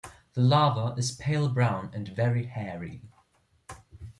The larva is pale brown and very hairy.